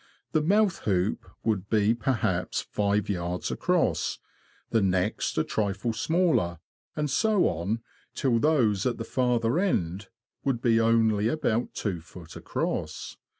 The mouth hoop would be perhaps 5yds. across, the next a trifle smaller, and so on, till those at the farther end would be only about 2ft. across.